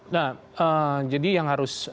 nah jadi yang harus